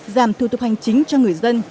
giảm thu thục hành chính cho người dân